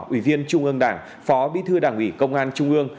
ủy viên trung ương đảng phó bí thư đảng ủy công an trung ương